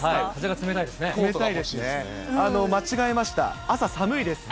冷たいですね。